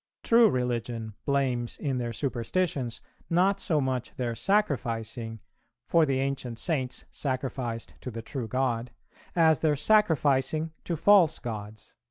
.. True religion blames in their superstitions, not so much their sacrificing, for the ancient saints sacrificed to the True God, as their sacrificing to false gods."